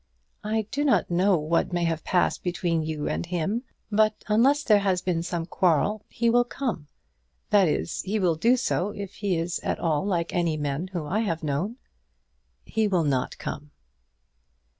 "I do not know what may have passed between you and him; but unless there has been some quarrel he will come. That is, he will do so if he is at all like any men whom I have known." "He will not come."